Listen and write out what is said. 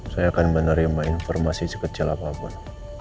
saya akan menerima informasi sekecil apapun